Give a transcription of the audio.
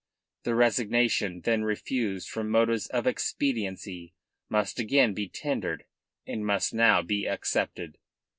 The resignation then refused from motives of expediency must again be tendered and must now be accepted.